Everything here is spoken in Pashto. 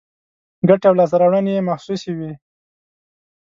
ګټې او لاسته راوړنې یې محسوسې وي.